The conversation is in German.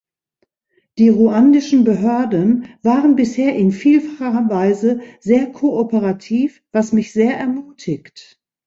Die ruandischen Behörden waren bisher in vielfacher Weise sehr kooperativ, was mich sehr ermutigt.